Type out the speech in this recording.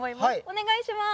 お願いします